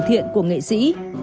từ thiện của nghệ sĩ